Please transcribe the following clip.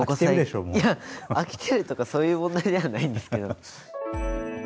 飽きてるとかそういう問題ではないんですけど。